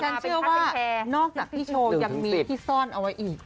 เชื่อว่านอกจากพี่โชว์ยังมีที่ซ่อนเอาไว้อีก